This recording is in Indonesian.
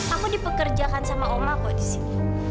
aku dipekerjakan sama oma kok di sini